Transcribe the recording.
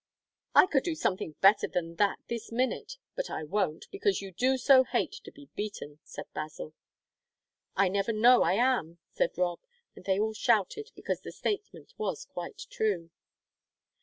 "I could do something better than that this minute, but I won't, because you do so hate to be beaten," said Basil. "I never know I am," said Rob, and they all shouted, because the statement was quite true.